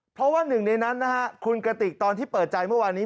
เพราะว่าหนึ่งในนั้นนะฮะคุณกติกตอนที่เปิดใจเมื่อวานนี้